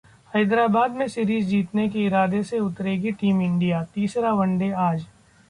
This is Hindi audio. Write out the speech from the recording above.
हैदराबाद में सीरीज जीतने के इरादे से उतरेगी टीम इंडिया, तीसरा वनडे आज